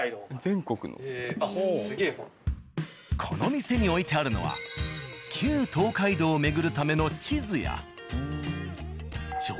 この店に置いてあるのは旧東海道を巡るための地図や。